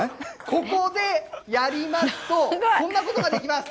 ここでやりますと、こんなことができます。